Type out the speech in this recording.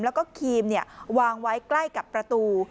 แล้วก็ครีมวางไว้ใกล้กับประตู